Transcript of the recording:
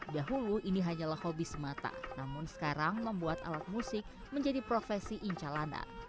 dahulu ini hanyalah hobi semata namun sekarang membuat alat musik menjadi profesi incalana